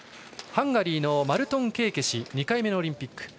ハンガリーのマルトン・ケーケシ２回目のオリンピック。